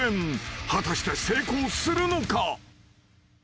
［果たして成功するのか？］